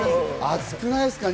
暑くないですか？